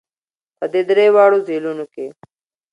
په دې درېواړو ځېلونو کې